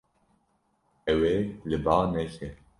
Ew ê li ba neke.